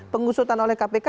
pengusutan oleh kpk